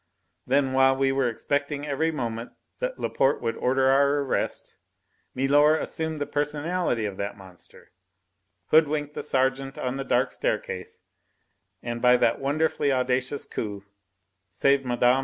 Then while we were expecting every moment that Laporte would order our arrest, milor assumed the personality of the monster, hoodwinked the sergeant on the dark staircase, and by that wonderfully audacious coup saved Mme.